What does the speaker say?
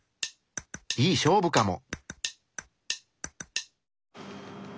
いい勝負かも。